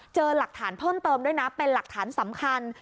เจอหลักฐานเพิ่มเติมด้วยนะเป็นหลักฐานสำคัญ